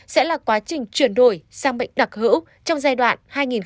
sẽ là quá trình chuyển đổi sang bệnh đặc hữu trong giai đoạn hai nghìn hai mươi hai hai nghìn hai mươi ba